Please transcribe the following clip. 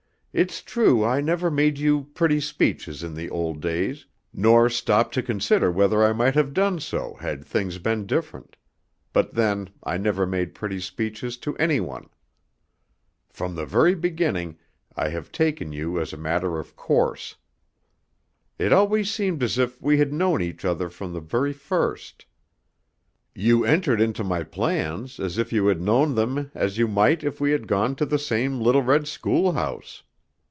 It's true I never made you pretty speeches in the old days, nor stopped to consider whether I might have done so had things been different; but then I never made pretty speeches to any one. From the very beginning I have taken you as a matter of course. It always seemed as if we had known each other from the very first. You entered into my plans as if you had known them as you might if we had gone to the same little red schoolhouse.